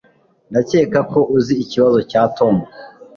Ndakeka ko uzi ikibazo cya Tom.